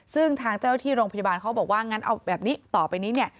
ซึ่งทางเจ้าที่โรงพยาบาลเขาบอกว่างั้นเอาแบบนี้ต่อไปนี้เนี่ย